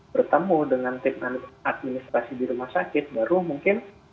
bertemu dengan tim administrasi di rumah sakit baru mungkin